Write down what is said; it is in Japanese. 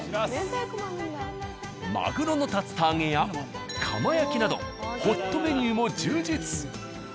マグロの竜田揚げやカマ焼きなどホットメニューも充実。